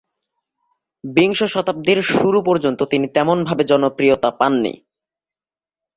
বিংশ শতাব্দীর শুরু পর্যন্ত তিনি তেমন ভাবে জনপ্রিয়তা পাননি।